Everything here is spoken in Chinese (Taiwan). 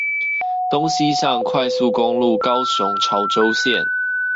東西向快速公路高雄潮州線